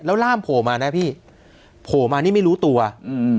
แล้วร่ามโผล่มานะพี่โผล่มานี่ไม่รู้ตัวอืม